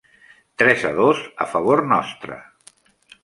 Tres a dos a favor nostre.